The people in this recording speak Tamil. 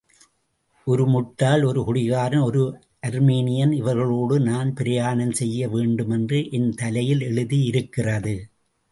ஒரு முட்டாள், ஒரு குடிகாரன், ஓர் அர்மீனியன் இவர்களோடு நான் பிரயாணம் செய்ய வேண்டுமென்று என் தலையில் எழுதியிருக்கிறது.